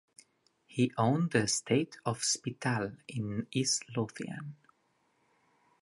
He owned the estate of Spittal in East Lothian.